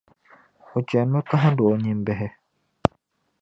O chanimi kahind’ o nimbihi.